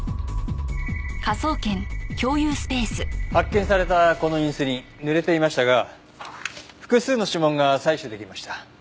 発見されたこのインスリン濡れていましたが複数の指紋が採取出来ました。